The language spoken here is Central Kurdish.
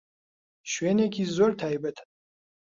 شوێنێکی زۆر تایبەتە.